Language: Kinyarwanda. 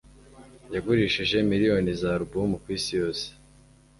yagurishije miliyoni za alubumu kwisi yose